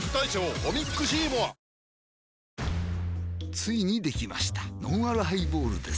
ついにできましたのんあるハイボールです